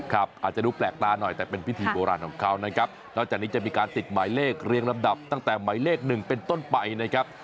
อาจจะดูแปลกตาหน่อยแต่เป็นพิธีโบราณของเขานะครับนอกจากนี้จะมีการติดหมายเลขเรียงลำดับตั้งแต่หมายเลขหนึ่งเป็นต้นไปนะครับ